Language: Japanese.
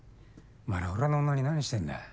お前ら俺の女に何してんだ。